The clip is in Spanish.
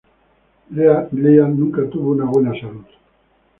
Lear nunca tuvo buena salud.